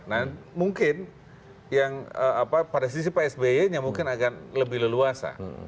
nah mungkin yang pada sisi pak sby nya mungkin agak lebih leluasa